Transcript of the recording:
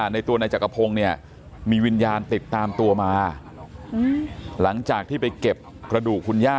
เนี่ยมีวิญญาณติดตามตัวมาหลังจากที่ไปเก็บประดูกคุณย่า